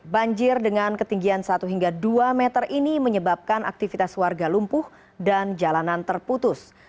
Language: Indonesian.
banjir dengan ketinggian satu hingga dua meter ini menyebabkan aktivitas warga lumpuh dan jalanan terputus